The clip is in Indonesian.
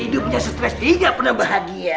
hidupnya stress dia gak pernah bahagia